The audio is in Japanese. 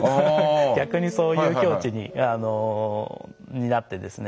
逆にそういう境地になって。